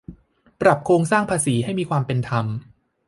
ปรับโครงสร้างภาษีให้มีความเป็นธรรม